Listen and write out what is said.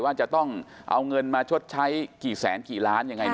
ว่าจะต้องเอาเงินมาชดใช้กี่แสนกี่ล้านยังไง